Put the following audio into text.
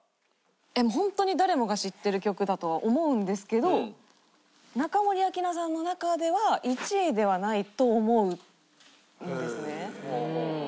本当に誰もが知ってる曲だとは思うんですけど中森明菜さんの中では１位ではないと思うんですね。